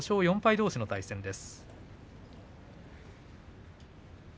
どうしの対戦です。